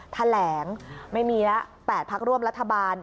แถลงไม่มีแล้ว๘พักร่วมรัฐบาล